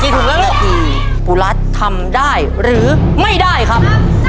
เมื่อกี้กุลัทธ์ทำได้หรือไม่ได้ครับ